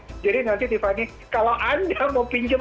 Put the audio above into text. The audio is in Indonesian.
tapi kalau nanti tiffany kalau anda mau pinjam sama teman tiffany